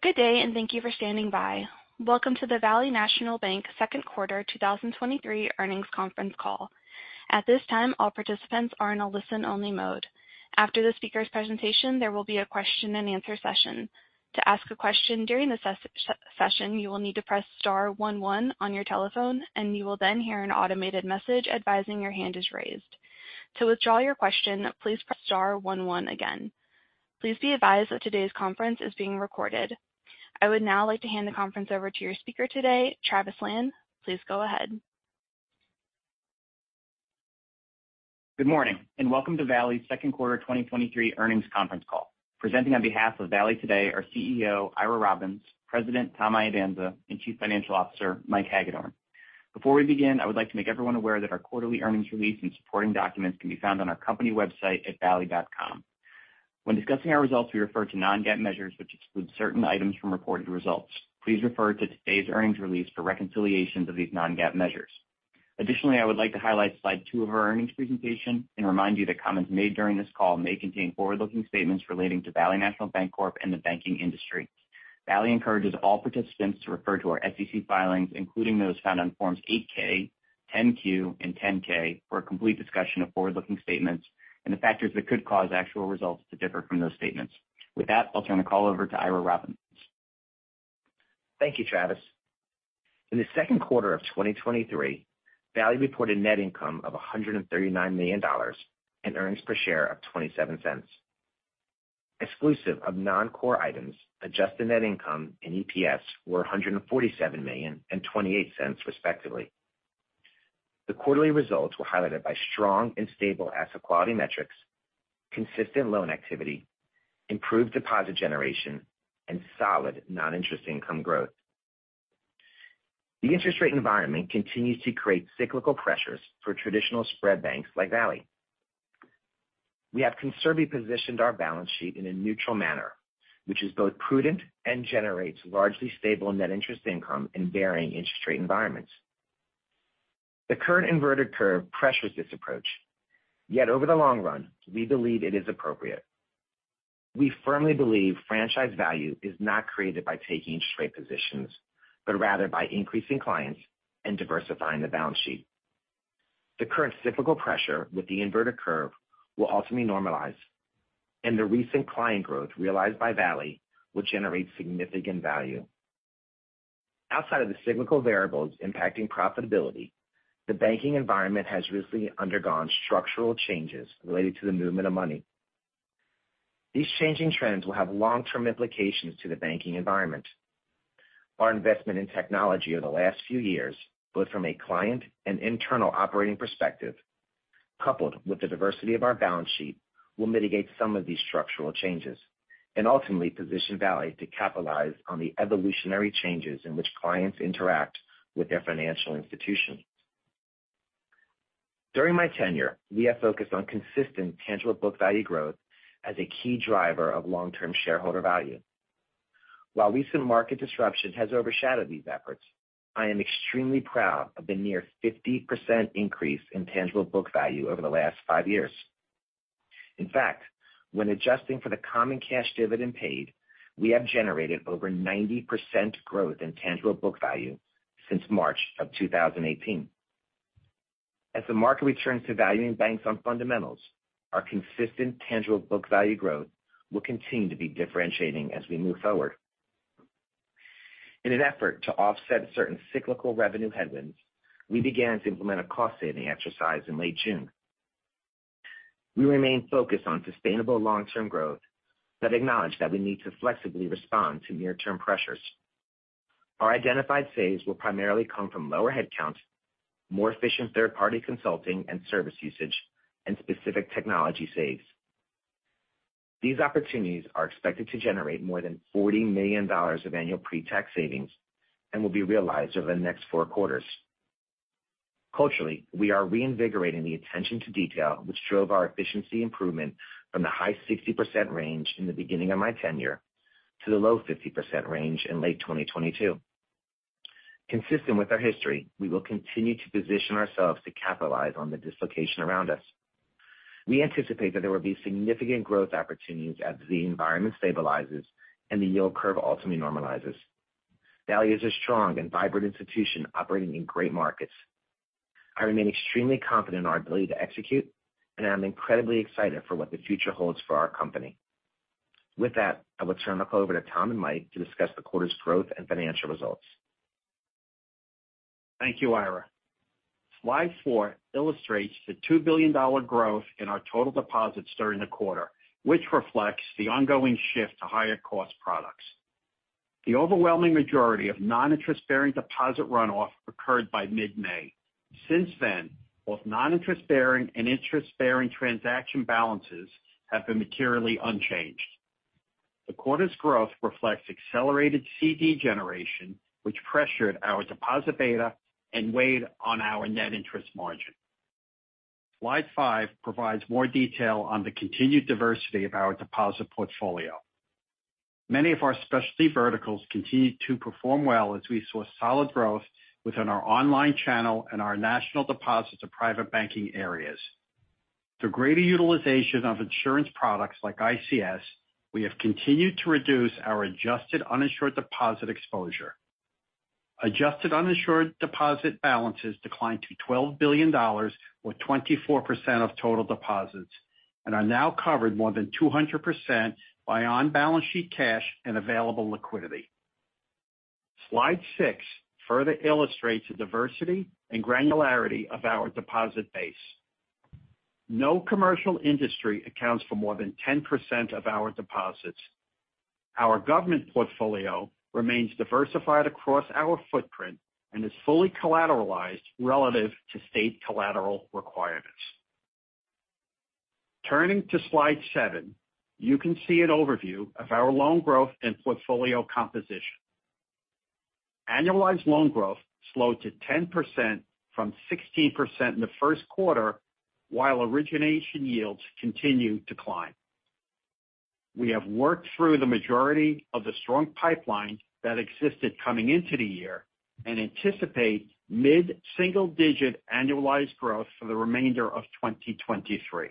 Good day, and thank you for standing by. Welcome to the Valley National Bank Second Quarter 2023 Earnings Conference Call. At this time, all participants are in a listen-only mode. After the speaker's presentation, there will be a question-and-answer session. To ask a question during the session, you will need to press star one one on your telephone, and you will then hear an automated message advising your hand is raised. To withdraw your question, please press star one one again. Please be advised that today's conference is being recorded. I would now like to hand the conference over to your speaker today, Travis Lan. Please go ahead. Good morning, welcome to Valley's Second Quarter 2023 Earnings Conference Call. Presenting on behalf of Valley today are CEO, Ira Robbins, President, Tom Iadanza, and Chief Financial Officer, Mike Hagedorn. Before we begin, I would like to make everyone aware that our quarterly earnings release and supporting documents can be found on our company website at valley.com. When discussing our results, we refer to non-GAAP measures, which exclude certain items from reported results. Please refer to today's earnings release for reconciliations of these non-GAAP measures. I would like to highlight slide 2 of our earnings presentation and remind you that comments made during this call may contain forward-looking statements relating to Valley National Bancorp and the banking industry. Valley encourages all participants to refer to our SEC filings, including those found on Forms 8-K, 10-Q, and 10-K, for a complete discussion of forward-looking statements and the factors that could cause actual results to differ from those statements. With that, I'll turn the call over to Ira Robbins. Thank you, Travis. In the second quarter of 2023, Valley reported net income of $139 million and earnings per share of $0.27. Exclusive of non-core items, adjusted net income and EPS were $147 million and $0.28, respectively. The quarterly results were highlighted by strong and stable asset quality metrics, consistent loan activity, improved deposit generation, and solid non-interest income growth. The interest rate environment continues to create cyclical pressures for traditional spread banks like Valley. We have conservatively positioned our balance sheet in a neutral manner, which is both prudent and generates largely stable net interest income in varying interest rate environments. The current inverted curve pressures this approach, yet over the long run, we believe it is appropriate. We firmly believe franchise value is not created by taking interest rate positions, but rather by increasing clients and diversifying the balance sheet. The current cyclical pressure with the inverted curve will ultimately normalize, and the recent client growth realized by Valley will generate significant value. Outside of the cyclical variables impacting profitability, the banking environment has recently undergone structural changes related to the movement of money. These changing trends will have long-term implications to the banking environment. Our investment in technology over the last few years, both from a client and internal operating perspective, coupled with the diversity of our balance sheet, will mitigate some of these structural changes and ultimately position Valley to capitalize on the evolutionary changes in which clients interact with their financial institutions. During my tenure, we have focused on consistent tangible book value growth as a key driver of long-term shareholder value. While recent market disruption has overshadowed these efforts, I am extremely proud of the near 50% increase in tangible book value over the last 5 years. In fact, when adjusting for the common cash dividend paid, we have generated over 90% growth in tangible book value since March of 2018. As the market returns to valuing banks on fundamentals, our consistent tangible book value growth will continue to be differentiating as we move forward. In an effort to offset certain cyclical revenue headwinds, we began to implement a cost-saving exercise in late June. We remain focused on sustainable long-term growth but acknowledge that we need to flexibly respond to near-term pressures. Our identified saves will primarily come from lower headcount, more efficient third-party consulting and service usage, and specific technology saves. These opportunities are expected to generate more than $40 million of annual pre-tax savings and will be realized over the next 4 quarters. Culturally, we are reinvigorating the attention to detail, which drove our efficiency improvement from the high 60% range in the beginning of my tenure to the low 50% range in late 2022. Consistent with our history, we will continue to position ourselves to capitalize on the dislocation around us. We anticipate that there will be significant growth opportunities as the environment stabilizes and the yield curve ultimately normalizes. Valley are strong and vibrant institution operating in great markets. I remain extremely confident in our ability to execute, and I'm incredibly excited for what the future holds for our company. With that, I will turn the call over to Tom and Mike to discuss the quarter's growth and financial results. Thank you, Ira. Slide 4 illustrates the $2 billion growth in our total deposits during the quarter, which reflects the ongoing shift to higher-cost products. The overwhelming majority of non-interest-bearing deposit runoff occurred by mid-May. Since then, both non-interest-bearing and interest-bearing transaction balances have been materially unchanged. The quarter's growth reflects accelerated CD generation, which pressured our deposit beta and weighed on our net interest margin. Slide 5 provides more detail on the continued diversity of our deposit portfolio. Many of our specialty verticals continued to perform well as we saw solid growth within our online channel and our National Deposits of Private Banking areas. Through greater utilization of insurance products like ICS, we have continued to reduce our adjusted uninsured deposit exposure. Adjusted uninsured deposit balances declined to $12 billion, or 24% of total deposits, and are now covered more than 200% by on-balance sheet cash and available liquidity. Slide six further illustrates the diversity and granularity of our deposit base. No commercial industry accounts for more than 10% of our deposits. Our government portfolio remains diversified across our footprint and is fully collateralized relative to state collateral requirements. Turning to slide seven, you can see an overview of our loan growth and portfolio composition. Annualized loan growth slowed to 10% from 16% in the first quarter, while origination yields continued to climb. We have worked through the majority of the strong pipeline that existed coming into the year and anticipate mid-single-digit annualized growth for the remainder of 2023.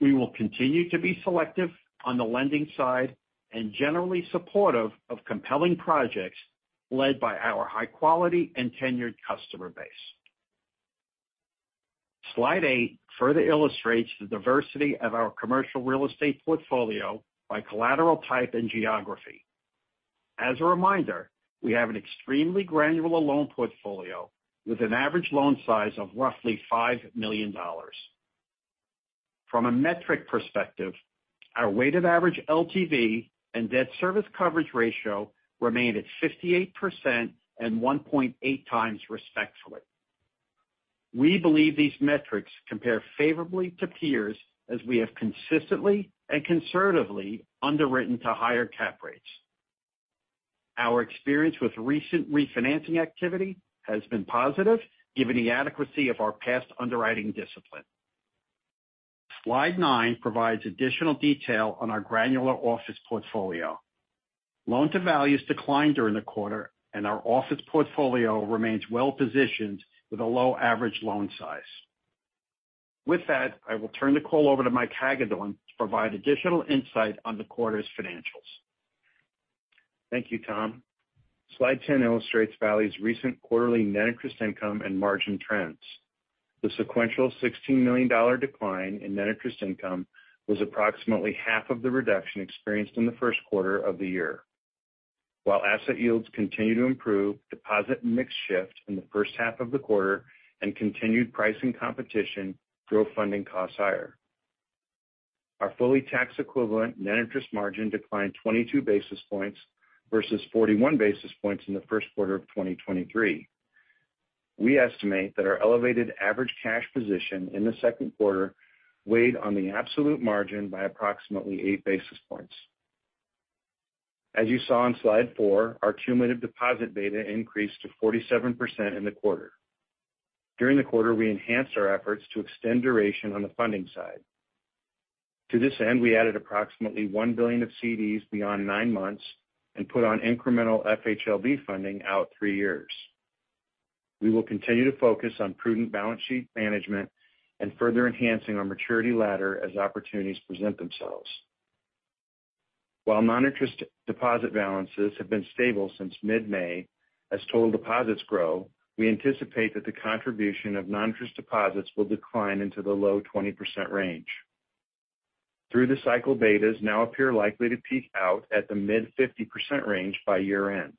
We will continue to be selective on the lending side and generally supportive of compelling projects led by our high quality and tenured customer base. Slide eight further illustrates the diversity of our commercial real estate portfolio by collateral type and geography. As a reminder, we have an extremely granular loan portfolio with an average loan size of roughly $5 million. From a metric perspective, our weighted average LTV and debt service coverage ratio remained at 58% and 1.8 times, respectfully. We believe these metrics compare favorably to peers, as we have consistently and conservatively underwritten to higher cap rates. Our experience with recent refinancing activity has been positive, given the adequacy of our past underwriting discipline. Slide nine provides additional detail on our granular office portfolio. Loan to values declined during the quarter. Our office portfolio remains well positioned with a low average loan size. With that, I will turn the call over to Mike Hagedorn to provide additional insight on the quarter's financials. Thank you, Tom. Slide 10 illustrates Valley's recent quarterly net interest income and margin trends. The sequential $16 million decline in net interest income was approximately half of the reduction experienced in the first quarter of the year. While asset yields continue to improve, deposit mix shift in the first half of the quarter and continued pricing competition drove funding costs higher. Our fully tax-equivalent net interest margin declined 22 basis points versus 41 basis points in the first quarter of 2023. We estimate that our elevated average cash position in the second quarter weighed on the absolute margin by approximately 8 basis points. As you saw on slide 4, our cumulative deposit beta increased to 47% in the quarter. During the quarter, we enhanced our efforts to extend duration on the funding side. To this end, we added approximately $1 billion of CDs beyond 9 months and put on incremental FHLB funding out 3 years. We will continue to focus on prudent balance sheet management and further enhancing our maturity ladder as opportunities present themselves. While non-interest deposit balances have been stable since mid-May, as total deposits grow, we anticipate that the contribution of non-interest deposits will decline into the low 20% range. Through the cycle, betas now appear likely to peak out at the mid-50% range by year-end.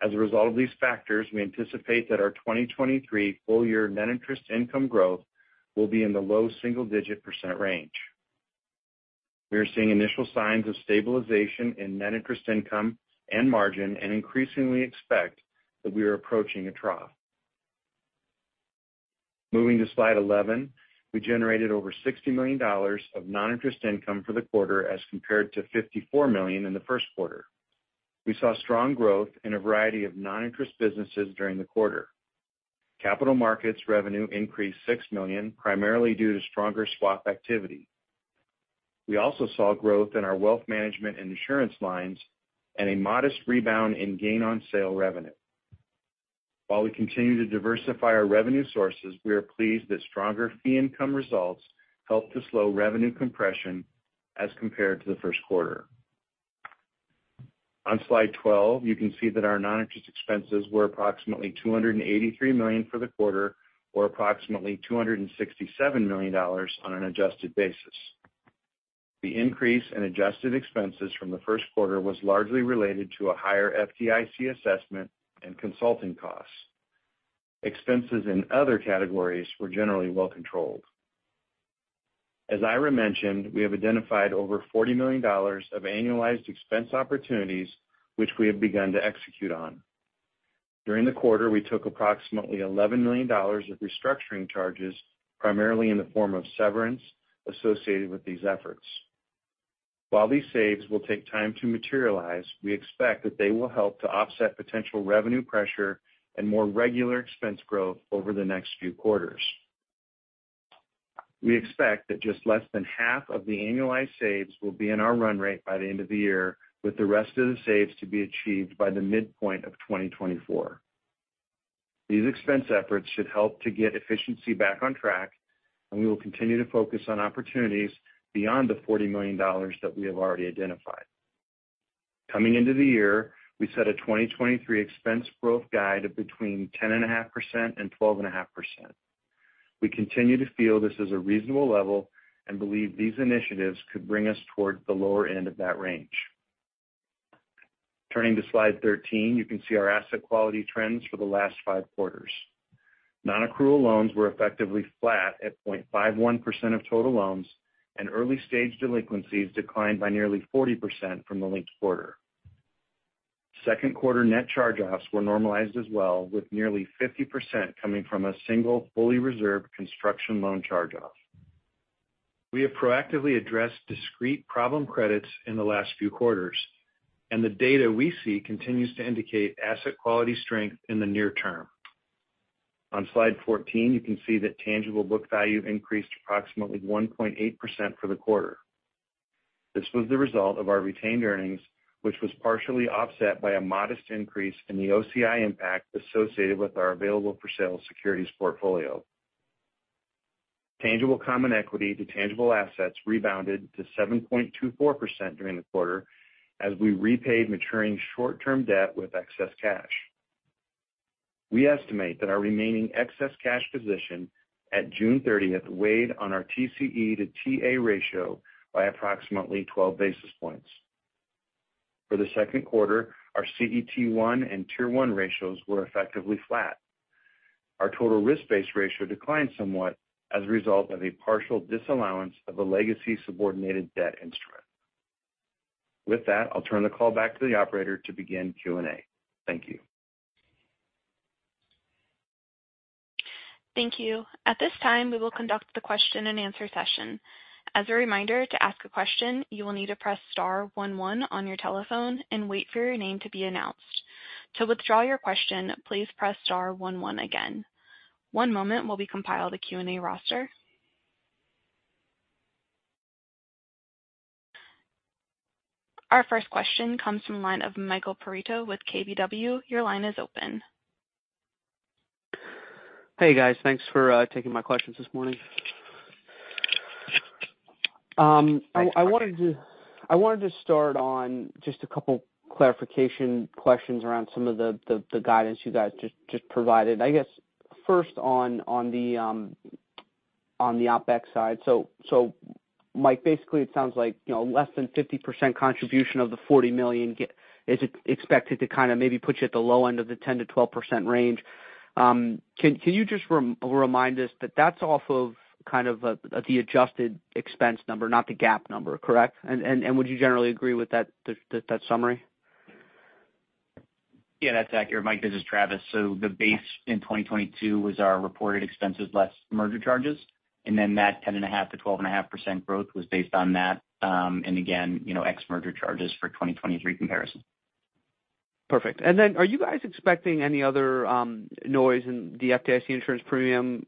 We anticipate that our 2023 full year net interest income growth will be in the low single-digit % range. We are seeing initial signs of stabilization in net interest income and margin, and increasingly expect that we are approaching a trough. Moving to Slide 11, we generated over $60 million of non-interest income for the quarter, as compared to $54 million in the first quarter. We saw strong growth in a variety of non-interest businesses during the quarter. Capital markets revenue increased $6 million, primarily due to stronger swap activity. We also saw growth in our wealth management and insurance lines and a modest rebound in gain on sale revenue. While we continue to diversify our revenue sources, we are pleased that stronger fee income results helped to slow revenue compression as compared to the first quarter. On Slide 12, you can see that our non-interest expenses were approximately $283 million for the quarter, or approximately $267 million on an adjusted basis. The increase in adjusted expenses from the first quarter was largely related to a higher FDIC assessment and consulting costs. Expenses in other categories were generally well controlled. As Ira mentioned, we have identified over $40 million of annualized expense opportunities, which we have begun to execute on. During the quarter, we took approximately $11 million of restructuring charges, primarily in the form of severance associated with these efforts. While these saves will take time to materialize, we expect that they will help to offset potential revenue pressure and more regular expense growth over the next few quarters. We expect that just less than half of the annualized saves will be in our run rate by the end of the year, with the rest of the saves to be achieved by the midpoint of 2024. These expense efforts should help to get efficiency back on track, and we will continue to focus on opportunities beyond the $40 million that we have already identified. Coming into the year, we set a 2023 expense growth guide of between 10.5% and 12.5%. We continue to feel this is a reasonable level and believe these initiatives could bring us toward the lower end of that range. Turning to slide 13, you can see our asset quality trends for the last five quarters. Nonaccrual loans were effectively flat at 0.51% of total loans, and early-stage delinquencies declined by nearly 40% from the linked quarter. Second quarter net charge-offs were normalized as well, with nearly 50% coming from a single fully reserved construction loan charge-off. We have proactively addressed discrete problem credits in the last few quarters, and the data we see continues to indicate asset quality strength in the near term. On slide 14, you can see that tangible book value increased approximately 1.8% for the quarter. This was the result of our retained earnings, which was partially offset by a modest increase in the OCI impact associated with our available-for-sale securities portfolio. Tangible common equity to tangible assets rebounded to 7.24% during the quarter as we repaid maturing short-term debt with excess cash. We estimate that our remaining excess cash position at June 30th weighed on our TCE to TA ratio by approximately 12 basis points. For the second quarter, our CET1 and Tier 1 ratios were effectively flat. Our total risk-based ratio declined somewhat as a result of a partial disallowance of a legacy subordinated debt instrument. With that, I'll turn the call back to the operator to begin Q&A. Thank you. Thank you. At this time, we will conduct the question-and-answer session. As a reminder, to ask a question, you will need to press star one one on your telephone and wait for your name to be announced. To withdraw your question, please press star one one again. One moment while we compile the Q&A roster. Our first question comes from the line of Michael Perito with KBW. Your line is open. Hey, guys, thanks for taking my questions this morning. I wanted to start on just a couple clarification questions around some of the guidance you guys just provided. I guess, first on the OpEx side. Mike, basically, it sounds like, you know, less than 50% contribution of the $40 million is expected to kind of maybe put you at the low end of the 10%-12% range. Can you just remind us that that's off of kind of the adjusted expense number, not the GAAP number, correct? Would you generally agree with that summary? Yeah, that's accurate, Mike. This is Travis. The base in 2022 was our reported expenses less merger charges, then that 10.5%-12.5% growth was based on that, again, you know, ex merger charges for 2023 comparison. Perfect. Then are you guys expecting any other noise in the FDIC insurance premium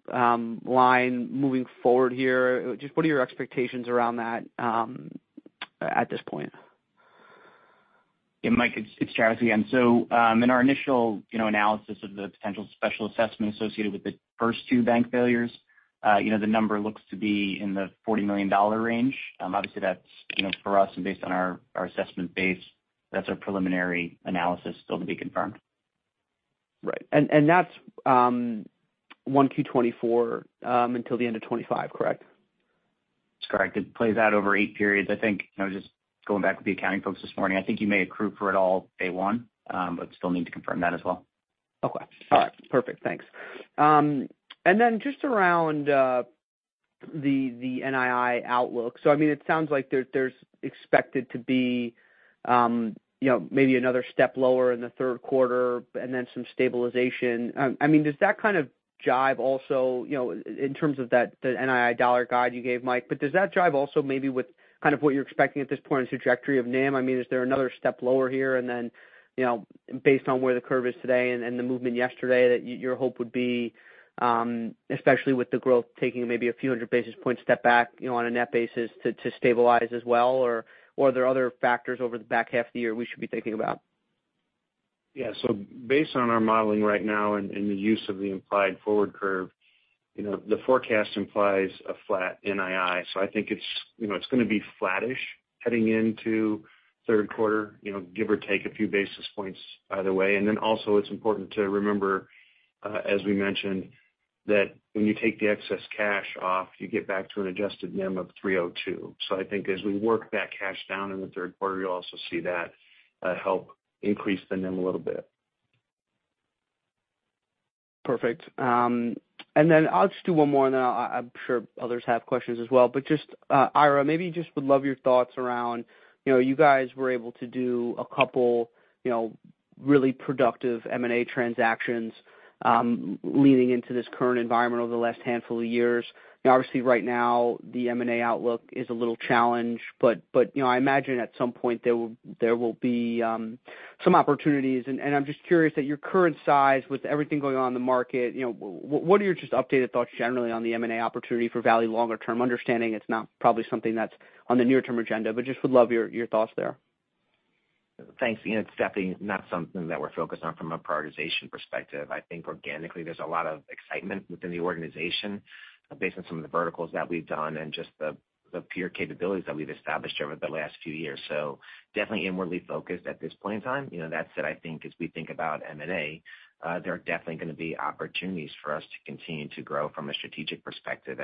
line moving forward here? Just what are your expectations around that at this point? Yeah, Mike, it's Travis again. In our initial, you know, analysis of the potential special assessment associated with the first two bank failures, you know, the number looks to be in the $40 million range. Obviously, that's, you know, for us and based on our assessment base, that's our preliminary analysis, still to be confirmed. Right. That's 1Q 2024 until the end of 2025, correct? That's correct. It plays out over 8 periods. I think, you know, just going back with the accounting folks this morning, I think you may accrue for it all day 1, but still need to confirm that as well. Okay. All right. Perfect. Thanks. Then just around the NII outlook. I mean, it sounds like there's expected to be, you know, maybe another step lower in the third quarter and then some stabilization. I mean, does that kind of jive also, you know, in terms of that, the NII dollar guide you gave, Mike, but does that jive also maybe with kind of what you're expecting at this point in trajectory of NIM? I mean, is there another step lower here? You know, based on where the curve is today and the movement yesterday, your hope would be, especially with the growth, taking maybe a few 100 basis points step back, you know, on a net basis to stabilize as well, or are there other factors over the back half of the year we should be thinking about? Yeah. Based on our modeling right now and, and the use of the implied forward curve, you know, the forecast implies a flat NII. I think it's, you know, it's gonna be flattish heading into third quarter, you know, give or take a few basis points either way. Also, it's important to remember, as we mentioned, that when you take the excess cash off, you get back to an adjusted NIM of 3.02%. I think as we work that cash down in the third quarter, you'll also see that, help increase the NIM a little bit. Perfect. I'll just do one more, and then I'm sure others have questions as well. Just Ira, maybe just would love your thoughts around, you know, you guys were able to do a couple, you know, really productive M&A transactions leading into this current environment over the last handful of years. You know, obviously right now, the M&A outlook is a little challenged, but, you know, I imagine at some point there will be some opportunities. I'm just curious, at your current size, with everything going on in the market, you know, what are your just updated thoughts generally on the M&A opportunity for Valley longer term? Understanding it's not probably something that's on the near-term agenda, but just would love your thoughts there. Thanks. You know, it's definitely not something that we're focused on from a prioritization perspective. I think organically, there's a lot of excitement within the organization based on some of the verticals that we've done and just the, the peer capabilities that we've established over the last few years. Definitely inwardly focused at this point in time. You know, that said, I think as we think about M&A, there are definitely going to be opportunities for us to continue to grow from a strategic perspective.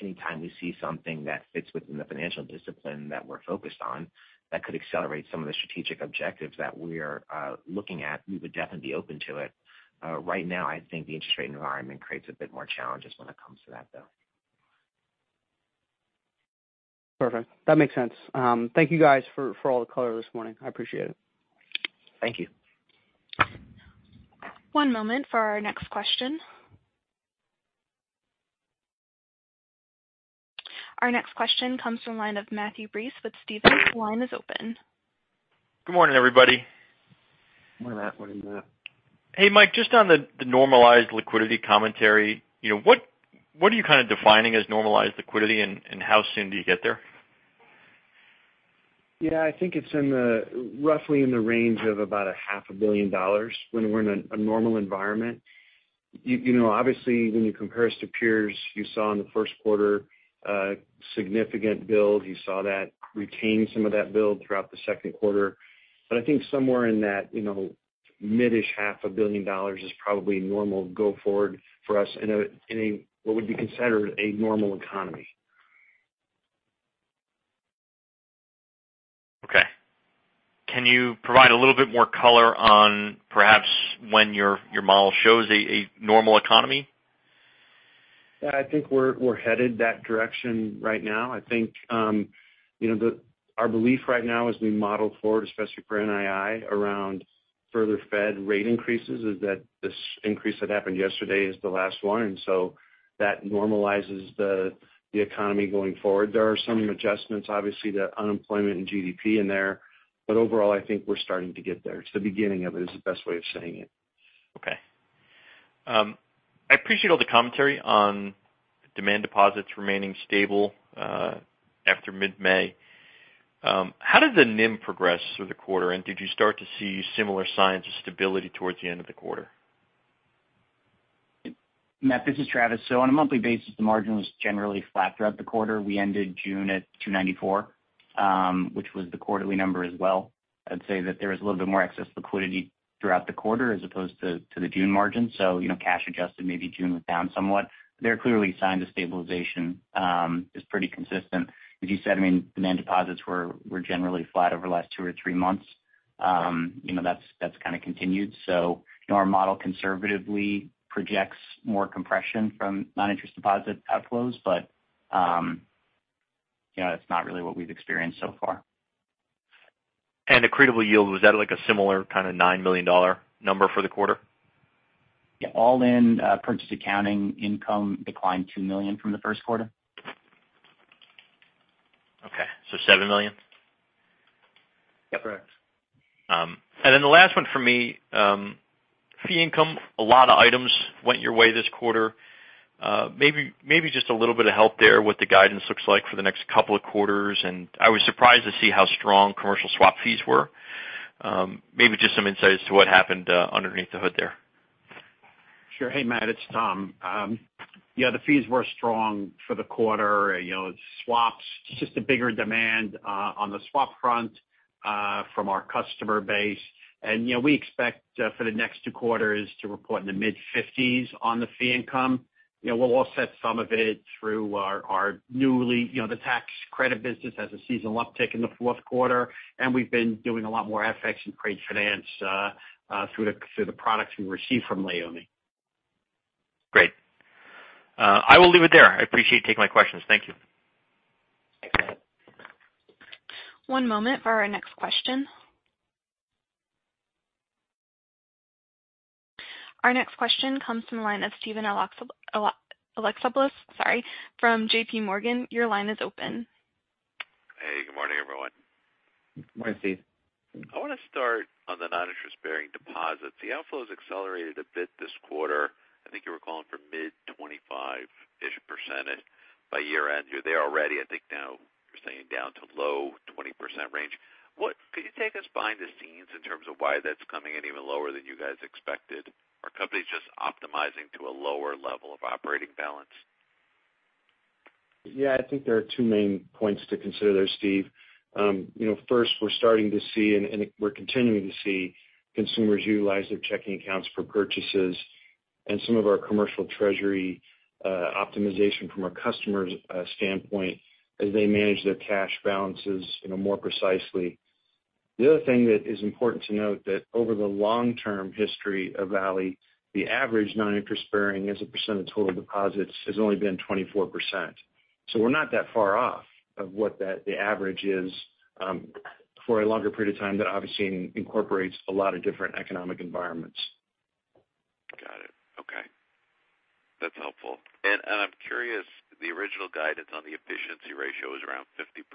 Anytime we see something that fits within the financial discipline that we're focused on, that could accelerate some of the strategic objectives that we're looking at, we would definitely be open to it. Right now, I think the interest rate environment creates a bit more challenges when it comes to that, though. Perfect. That makes sense. Thank you guys for all the color this morning. I appreciate it. Thank you. One moment for our next question. Our next question comes from the line of Matthew Breese with Stephens. Your line is open. Good morning, everybody. Good morning, Matt. Welcome back. Hey, Mike, just on the normalized liquidity commentary, you know, what are you kind of defining as normalized liquidity, and how soon do you get there? Yeah, I think it's roughly in the range of about a half a billion dollars when we're in a, a normal environment. You know, obviously, when you compare us to peers, you saw in the first quarter a significant build. You saw that retain some of that build throughout the second quarter. I think somewhere in that, you know, mid-ish half a billion dollars is probably normal go forward for us in a, in a, what would be considered a normal economy. Okay. Can you provide a little bit more color on perhaps when your, your model shows a, a normal economy? Yeah, I think we're, we're headed that direction right now. I think, you know, our belief right now as we model forward, especially for NII, around further Fed rate increases, is that this increase that happened yesterday is the last one, and so that normalizes the, the economy going forward. There are some adjustments, obviously, to unemployment and GDP in there, but overall, I think we're starting to get there. It's the beginning of it, is the best way of saying it. Okay. I appreciate all the commentary on demand deposits remaining stable after mid-May. How did the NIM progress through the quarter, and did you start to see similar signs of stability towards the end of the quarter? Matt, this is Travis. On a monthly basis, the margin was generally flat throughout the quarter. We ended June at 2.94%, which was the quarterly number as well. I'd say that there was a little bit more excess liquidity throughout the quarter as opposed to the June margin. you know, cash adjusted, maybe June was down somewhat. There are clearly signs of stabilization, is pretty consistent. As you said, I mean, demand deposits were generally flat over the last two or three months. you know, that's, that's kind of continued. Our model conservatively projects more compression from non-interest deposit outflows, but, you know, that's not really what we've experienced so far. accretable yield, was that like a similar kind of $9 million number for the quarter? Yeah, all in, purchase accounting income declined $2 million from the first quarter. Okay, $7 million? Yep. Correct. The last one for me, fee income, a lot of items went your way this quarter. Maybe just a little bit of help there, what the guidance looks like for the next couple of quarters. I was surprised to see how strong commercial swap fees were. Maybe just some insight as to what happened underneath the hood there. Sure. Hey, Matt, it's Tom. Yeah, the fees were strong for the quarter. You know, swaps, just a bigger demand, on the swap front, from our customer base. You know, we expect, for the next two quarters to report in the mid-fifties on the fee income. You know, we'll offset some of it through our, our newly, you know, the tax credit business has a seasonal uptick in the fourth quarter, and we've been doing a lot more FX and trade finance, through the, through the products we received from Leumi. Great. I will leave it there. I appreciate you taking my questions. Thank you. Thanks, Matt. One moment for our next question. Our next question comes from the line of Steven Alexopoulos, sorry, from J.P. Morgan. Your line is open. Hey, good morning, everyone. Good morning, Steve. I want to start on the non-interest-bearing deposits. The outflows accelerated a bit this quarter. I think you were calling for mid-25%ish by year-end. You're there already. I think now you're saying down to low 20% range. Could you take us behind the scenes in terms of why that's coming in even lower than you guys expected? Are companies just optimizing to a lower level of operating balance? I think there are two main points to consider there, Steve. You know, first, we're starting to see and we're continuing to see consumers utilize their checking accounts for purchases and some of our commercial treasury optimization from a customer's standpoint as they manage their cash balances, you know, more precisely. The other thing that is important to note that over the long-term history of Valley, the average non-interest bearing as a percent of total deposits has only been 24%. We're not that far off of what that, the average is for a longer period of time. Obviously incorporates a lot of different economic environments. Got it. Okay. That's helpful. I'm curious, the original guidance on the efficiency ratio is around 50%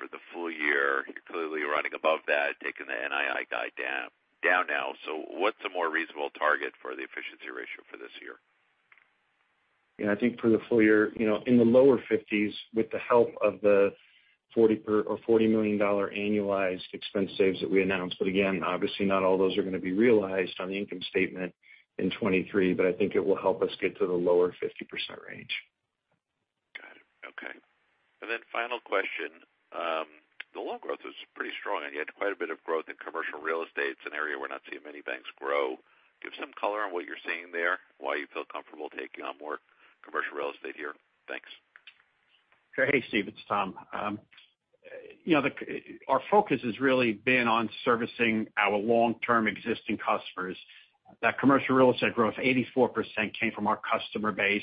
for the full year. You're clearly running above that, taking the NII guide down now. What's a more reasonable target for the efficiency ratio for this year? I think for the full year, you know, in the lower 50s, with the help of the $40 million annualized expense saves that we announced. Again, obviously, not all those are going to be realized on the income statement in 2023, but I think it will help us get to the lower 50% range. Got it. Okay. Final question. The loan growth is pretty strong, and you had quite a bit of growth in commercial real estate. It's an area we're not seeing many banks grow. Give some color on what you're seeing there, why you feel comfortable taking on more commercial real estate here. Thanks. Hey, Steve, it's Tom. Our focus has really been on servicing our long-term existing customers. That commercial real estate growth, 84% came from our customer base.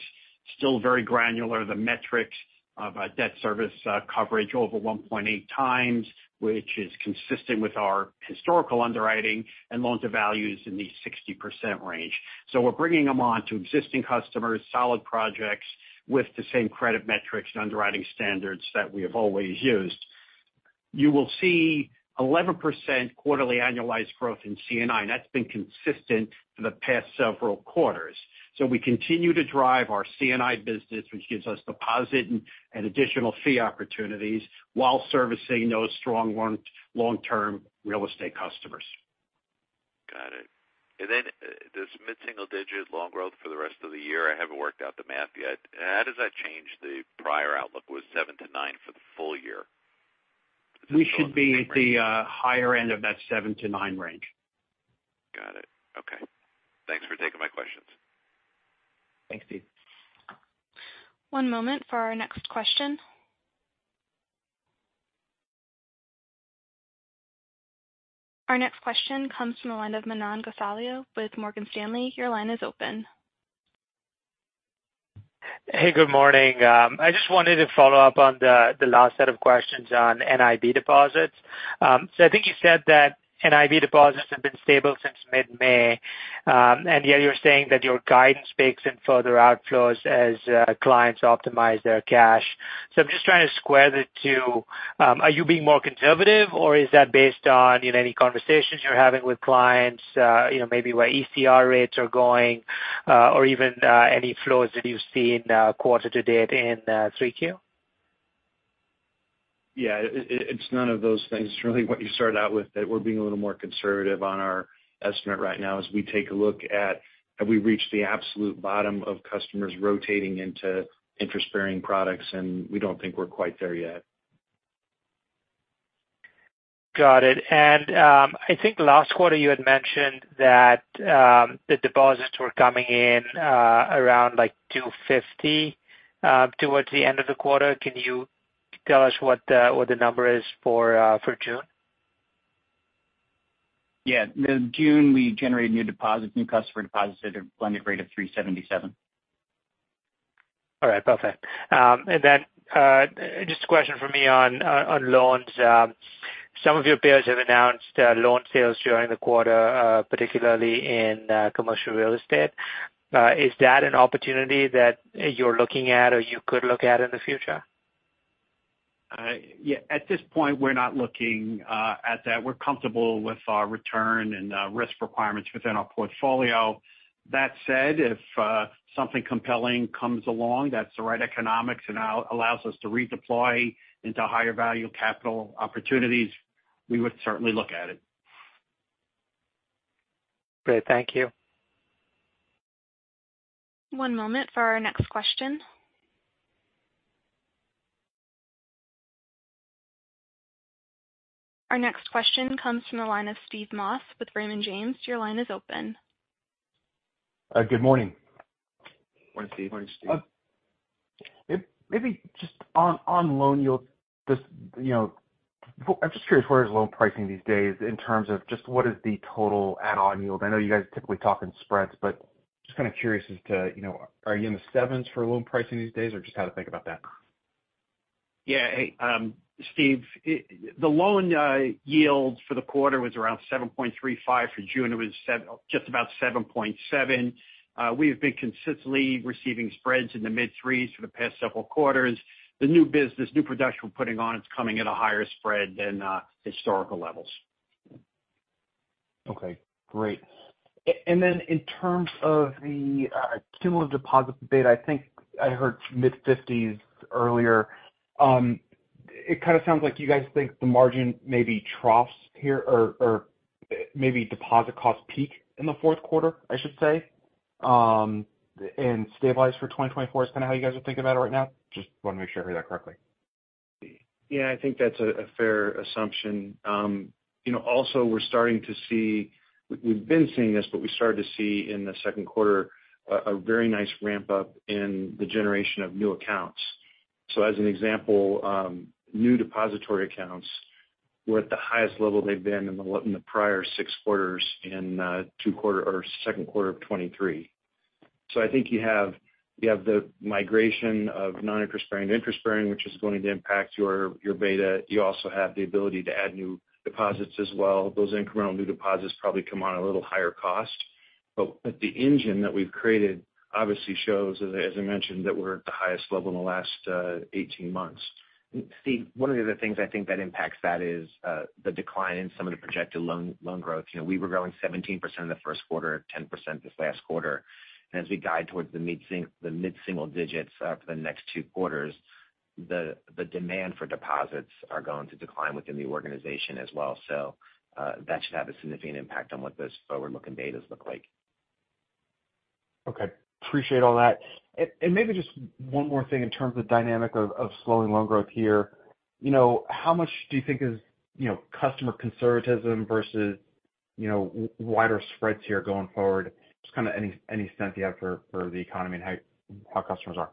Still very granular, the metrics of debt service coverage over 1.8 times, which is consistent with our historical underwriting and loans to values in the 60% range. We're bringing them on to existing customers, solid projects with the same credit metrics and underwriting standards that we have always used. You will see 11% quarterly annualized growth in CNI, and that's been consistent for the past several quarters. We continue to drive our CNI business, which gives us deposit and additional fee opportunities while servicing those strong long-term real estate customers. Got it. Then, this mid-single digit loan growth for the rest of the year, I haven't worked out the math yet. How does that change? The prior outlook was 7-9 for the full year. We should be at the higher end of that 7-9 range. Got it. Okay. Thanks for taking my questions. Thanks, Steve. One moment for our next question. Our next question comes from the line of Manan Gosalia with Morgan Stanley. Your line is open. Hey, good morning. I just wanted to follow up on the, the last set of questions on NIB deposits. I think you said that NIB deposits have been stable since mid-May. And yet you're saying that your guidance bakes in further outflows as clients optimize their cash. I'm just trying to square the two. Are you being more conservative, or is that based on, you know, any conversations you're having with clients, you know, maybe where ECR rates are going, or even any flows that you've seen quarter to date in 3Q? Yeah, it's none of those things. Really what you started out with, that we're being a little more conservative on our estimate right now as we take a look at, have we reached the absolute bottom of customers rotating into interest-bearing products. We don't think we're quite there yet. Got it. I think last quarter you had mentioned that the deposits were coming in around like 250 towards the end of the quarter. Can you tell us what the number is for June? Yeah. In June, we generated new deposits, new customer deposits at a blended rate of 3.77%. All right, perfect. Just a question for me on loans. Some of your peers have announced loan sales during the quarter, particularly in commercial real estate. Is that an opportunity that you're looking at or you could look at in the future? Yeah, at this point, we're not looking at that. We're comfortable with our return and risk requirements within our portfolio. That said, if something compelling comes along, that's the right economics and allows us to redeploy into higher value capital opportunities, we would certainly look at it. Great. Thank you. One moment for our next question. Our next question comes from the line of Steve Moss with Raymond James. Your line is open. Good morning. Morning, Steve. Morning, Steve. Maybe just on, on loan yields, just, you know, I'm just curious, where is loan pricing these days in terms of just what is the total add-on yield? I know you guys typically talk in spreads, but just kind of curious as to, you know, are you in the 7s for loan pricing these days, or just how to think about that? Yeah. Hey, Steve, the loan, yields for the quarter was around 7.35%. For June, it was just about 7.7%. We have been consistently receiving spreads in the mid threes for the past several quarters. The new business, new production we're putting on, it's coming at a higher spread than historical levels. Okay, great. Then in terms of the cumulative deposit beta, I think I heard mid-50s earlier. It kind of sounds like you guys think the margin maybe troughs here, or maybe deposit costs peak in the fourth quarter, I should say, and stabilize for 2024. Is that how you guys are thinking about it right now? Just want to make sure I heard that correctly. I think that's a fair assumption. You know, also we're starting to see we've been seeing this, but we started to see in the second quarter, a very nice ramp-up in the generation of new accounts. As an example, new depository accounts were at the highest level they've been in the prior 6 quarters in second quarter of 23. I think you have the migration of non-interest bearing to interest bearing, which is going to impact your beta. You also have the ability to add new deposits as well. Those incremental new deposits probably come on a little higher cost, but the engine that we've created obviously shows, as I mentioned, that we're at the highest level in the last 18 months. Steve, one of the other things I think that impacts that is, the decline in some of the projected loan growth. You know, we were growing 17% in the first quarter, 10% this last quarter. As we guide towards the mid-single digits, for the next 2 quarters, the demand for deposits are going to decline within the organization as well. That should have a significant impact on what those forward-looking data look like. Okay, appreciate all that. Maybe just one more thing in terms of the dynamic of slowing loan growth here. You know, how much do you think is, you know, customer conservatism versus, you know, wider spreads here going forward? Just kind of any sense you have for the economy and how customers are?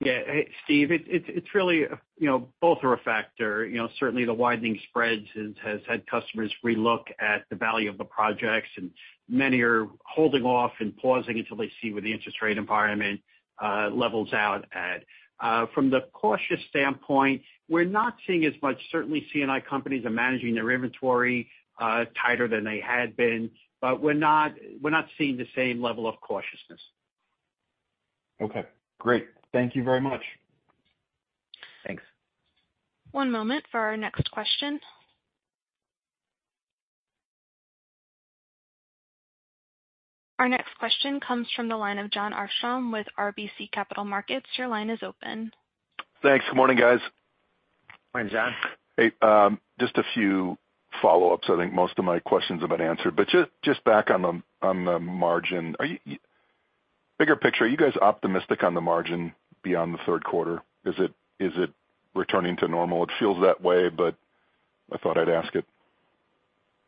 Yeah. Hey, Steve, it's really, you know, both are a factor. You know, certainly the widening spreads has had customers relook at the value of the projects, and many are holding off and pausing until they see where the interest rate environment levels out at. From the cautious standpoint, we're not seeing as much. Certainly, C&I companies are managing their inventory tighter than they had been, but we're not seeing the same level of cautiousness. Okay, great. Thank you very much. Thanks. One moment for our next question. Our next question comes from the line of Jon Arfstrom with RBC Capital Markets. Your line is open. Thanks. Good morning, guys. Morning, John. Hey, just a few follow-ups. I think most of my questions have been answered, but just back on the margin. Bigger picture, are you guys optimistic on the margin beyond the third quarter? Is it returning to normal? It feels that way, but I thought I'd ask it.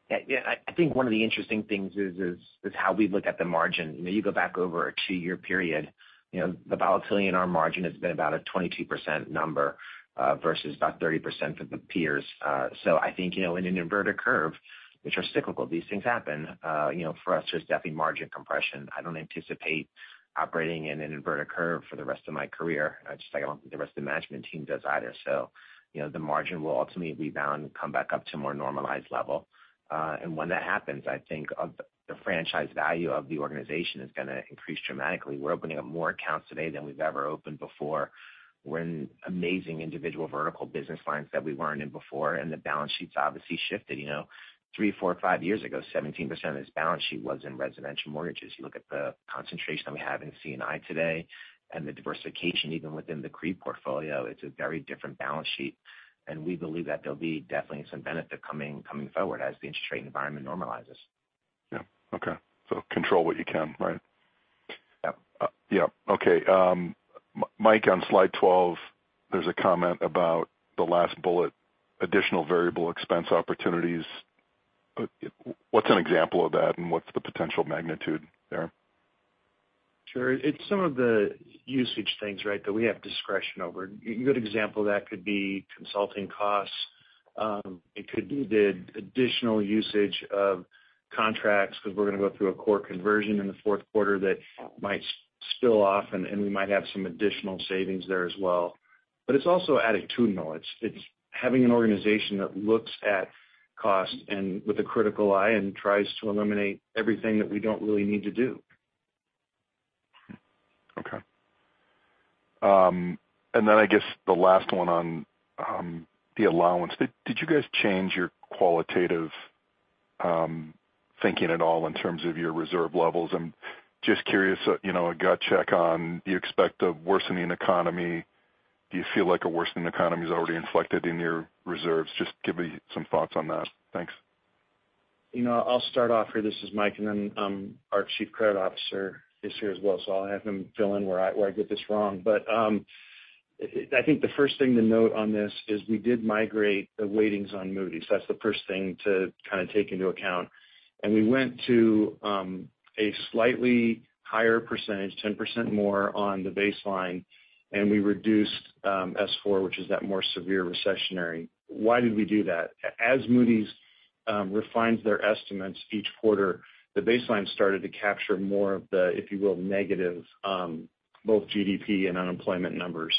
Yeah, yeah. I think one of the interesting things is how we look at the margin. You know, you go back over a two-year period, you know, the volatility in our margin has been about a 22% number versus about 30% for the peers. I think, you know, in an inverted curve, which are cyclical, these things happen, you know, for us, there's definitely margin compression. I don't anticipate operating in an inverted curve for the rest of my career, just like I don't think the rest of the management team does either. The margin will ultimately rebound and come back up to a more normalized level. When that happens, I think the franchise value of the organization is going to increase dramatically. We're opening up more accounts today than we've ever opened before. We're in amazing individual vertical business lines that we weren't in before, and the balance sheet's obviously shifted. You know, three, four, five years ago, 17% of this balance sheet was in residential mortgages. You look at the concentration that we have in C&I today and the diversification, even within the CRE portfolio, it's a very different balance sheet, and we believe that there'll be definitely some benefit coming forward as the interest rate environment normalizes. Yeah. Okay. Control what you can, right? Yep. Yep. Okay, Mike, on slide 12, there's a comment about the last bullet, additional variable expense opportunities. What's an example of that, and what's the potential magnitude there? Sure. It's some of the usage things, right, that we have discretion over. A good example of that could be consulting costs. It could be the additional usage of contracts, because we're going to go through a core conversion in the fourth quarter that might spill off, and we might have some additional savings there as well. It's also attitudinal. It's, it's having an organization that looks at cost and with a critical eye and tries to eliminate everything that we don't really need to do. Okay. I guess the last one on the allowance. Did you guys change your qualitative thinking at all in terms of your reserve levels? I'm just curious, you know, a gut check on, do you expect a worsening economy? Do you feel like a worsening economy is already inflected in your reserves? Just give me some thoughts on that. Thanks. You know, I'll start off here. This is Mike, and then, our Chief Credit Officer is here as well, so I'll have him fill in where I get this wrong. I think the first thing to note on this is we did migrate the weightings on Moody's. That's the first thing to kind of take into account. We went to a slightly higher percentage, 10% more on the baseline, and we reduced S4, which is that more severe recessionary. Why did we do that? As Moody's refines their estimates each quarter, the baseline started to capture more of the, if you will, negative both GDP and unemployment numbers.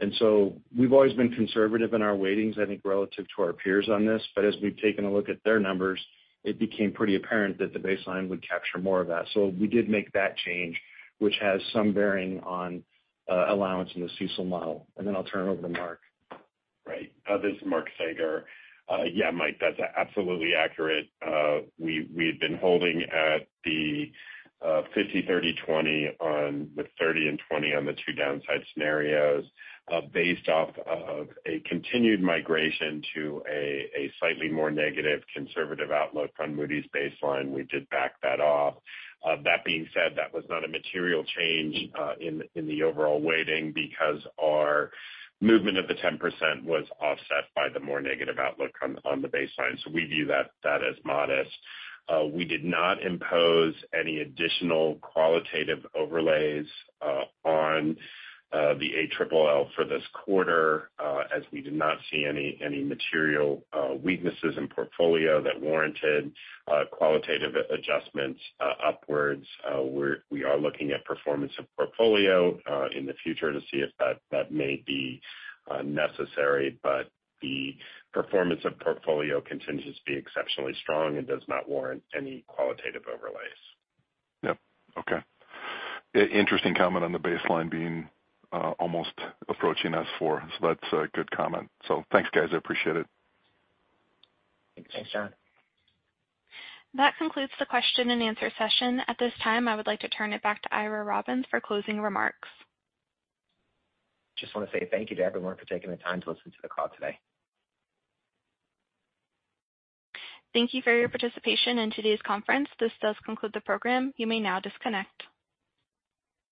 We've always been conservative in our weightings, I think, relative to our peers on this, but as we've taken a look at their numbers, it became pretty apparent that the baseline would capture more of that. So we did make that change, which has some bearing on allowance in the CECL model. I'll turn it over to Mark. Right. This is Mark Saeger. Yeah, Mike, that's absolutely accurate. We had been holding at the 50, 30, 20 on the 30 and 20 on the 2 downside scenarios. Based off of a continued migration to a slightly more negative conservative outlook on Moody's baseline, we did back that off. That being said, that was not a material change in the overall weighting because our movement of the 10% was offset by the more negative outlook on the baseline, so we view that as modest. We did not impose any additional qualitative overlays on the ALLL for this quarter, as we did not see any material weaknesses in portfolio that warranted qualitative adjustments upwards. We are looking at performance of portfolio, in the future to see if that may be necessary, but the performance of portfolio continues to be exceptionally strong and does not warrant any qualitative overlays. Yep. Okay. Interesting comment on the baseline being almost approaching S4. That's a good comment. Thanks, guys. I appreciate it. Thanks, John. That concludes the question and answer session. At this time, I would like to turn it back to Ira Robbins for closing remarks. Just want to say thank you to everyone for taking the time to listen to the call today. Thank you for your participation in today's conference. This does conclude the program. You may now disconnect.